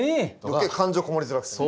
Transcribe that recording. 余計感情込もりづらくてね。